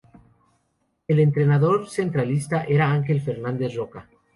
El entrenador centralista era Ángel Fernández Roca.